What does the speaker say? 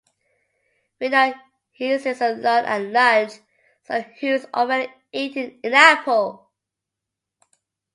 We know he sits alone at lunch, so who’s already eaten an apple?